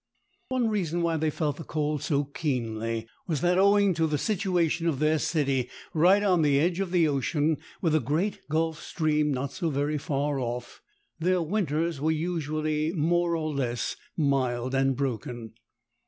One reason why they felt the cold so keenly was that, owing to the situation of their city right on the edge of the ocean, with the great Gulf Stream not so very far off, their winters were usually more or less mild and broken.